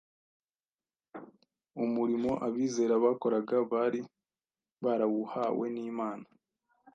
Umurimo abizera bakoraga bari barawuhawe n’Imana.